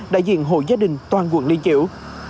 đại diện hội gia đình toàn quận liên chiểu